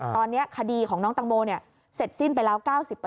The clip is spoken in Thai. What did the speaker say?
ตอนนี้คดีของน้องตังโมเสร็จสิ้นไปแล้ว๙๐